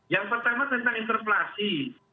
yang pertama tentang interpelasi